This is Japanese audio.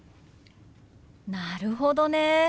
なるほどね。